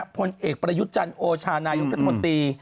พลเอกประยุทธ์จันทร์โอชานายกรัฐมนตรี